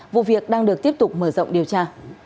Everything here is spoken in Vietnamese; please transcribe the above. vụ việc đang được tiếp tục mở rộng điều tra